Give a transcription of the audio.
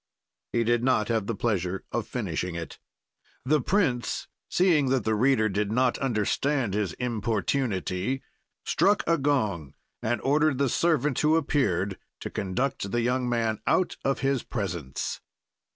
"He did not have the pleasure of finishing it. "The prince, seeing that the reader did not understand his importunity, struck a gong and ordered the servant who appeared to conduct the young man out of his presence.